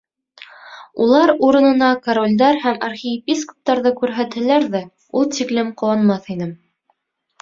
Улар урынына королдәр һәм архиепископтарҙы күрһәтһәләр ҙә, ул тиклем ҡыуанмаҫ инем.